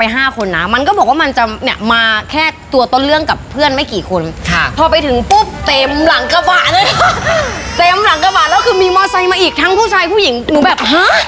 โหวแล้วคือมีมอสไซค์มาอีกทั้งผู้ชายผู้หญิงหนูแบบฮะ